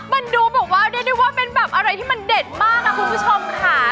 มันดูแบบว่าเป็นแบบอะไรที่มันเด่นมากนะคุณผู้ชมค่ะ